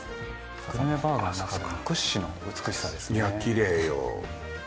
グルメバーガーの中でも屈指の美しさですねいやキレイよ